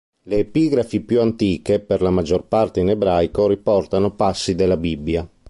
Le epigrafi più antiche, per la maggior parte in ebraico, riportano passi della Bibbia.